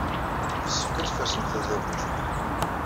Yessefk ad tfersem tadabut.